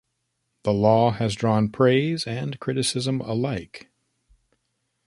The law has drawn praise and criticism alike.